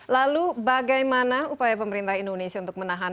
lalu bagaimana upaya pemerintah indonesia untuk menahan